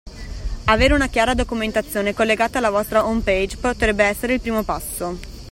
Avere una chiara documentazione collegata alla vostra homepage potrebbe essere il primo passo.